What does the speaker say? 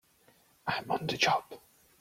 I'm on the job!